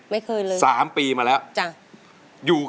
สวัสดีครับคุณหน่อย